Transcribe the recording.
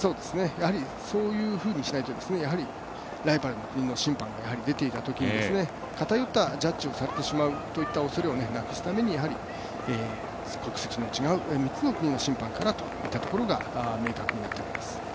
そういうふうにしないとライバルの国の審判も出ていたときに偏ったジャッジをされてしまうおそれをなくすためにやはり国籍の違う３つの国の審判からというところが明確になってきます。